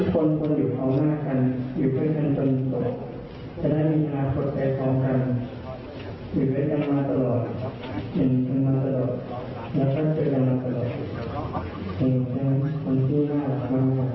เป็นคนชื่นศักดิ์เป็นคนมีเหตุผลเป็นอีกคนที่ร่านเรือนกลางคลาย